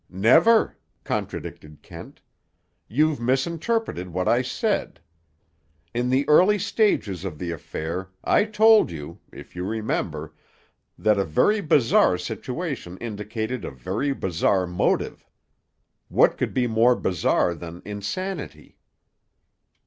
"Never," contradicted Kent. "You've misinterpreted what I said. In the early stages of the affair I told you, if you remember, that a very bizarre situation indicated a very bizarre motive. What could be more bizarre than insanity?"